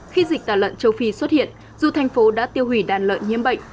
khi dịch tả lợn châu phi xuất hiện dù thành phố đã tiêu hủy đàn lợn nhiễm bệnh